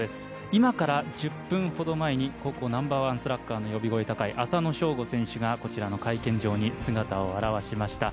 今から１０分ほど前に、高校ナンバーワンスラッガーの呼び声が高い浅野翔吾選手がこちらの会見場に姿を現しました。